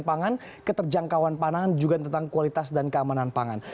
pangan keterjangkauan panahan juga tentang kualitas dan keamanan pangan